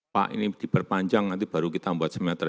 pak ini diperpanjang nanti baru kita buat simeter